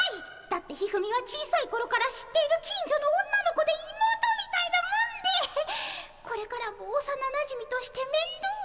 だって一二三は小さいころから知っている近所の女の子で妹みたいなもんでこれからもおさななじみとして面倒を。